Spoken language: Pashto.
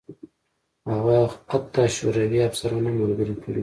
هغه حتی شوروي افسران هم ملګري کړي وو